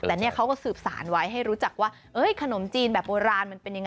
เหมือนคุยกับตัวเอง